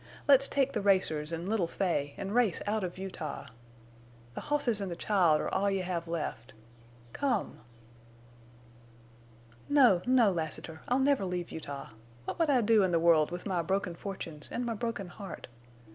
Let's take the racers an' little Fay, en' race out of Utah. The hosses an' the child are all you have left. Come!" "No, no, Lassiter. I'll never leave Utah. What would I do in the world with my broken fortunes and my broken heart?